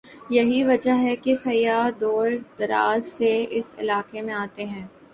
یہی وجہ ہے کہ سیاح دور دراز سے اس علاقے میں آتے ہیں ۔